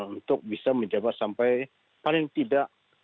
untuk bisa menjabat sampai paling tidak